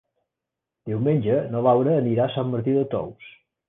Diumenge na Laura anirà a Sant Martí de Tous.